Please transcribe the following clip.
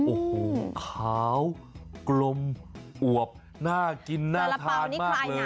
โอ้โหขาวกลมอวบน่ากินน่าทานมากเลย